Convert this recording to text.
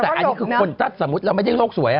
แต่อันนี้คือคนถ้าสมมุติเราไม่ได้โลกสวย